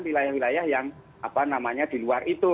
wilayah wilayah yang di luar itu